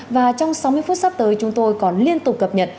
và trong sáu mươi phút sắp tới chúng tôi còn liên tục cập nhật